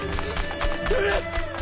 えっ！？